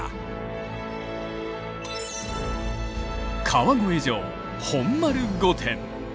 川越城本丸御殿。